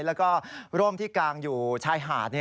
แล้วก็ร่มที่กางอยู่ชายหาด